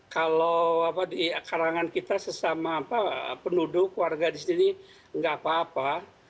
kalau di karangan kita sesama penduduk warga di sini enggak apa apa